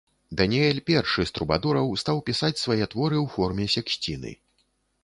Даніэль першы з трубадураў стаў пісаць свае творы ў форме сексціны.